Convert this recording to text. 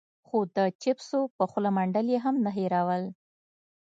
خو د چېپسو په خوله منډل يې هم نه هېرول.